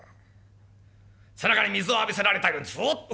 背中に水を浴びせられたようにぞっと。